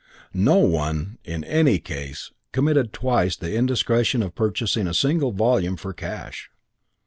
No one, in any case, committed twice the indiscretion of purchasing a single volume for cash.